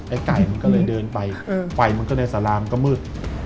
ไก่มันก็เลยเดินไปไฟมันก็เลยสารามันก็มืด